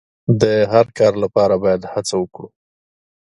د هر کار لپاره باید هڅه وکړو.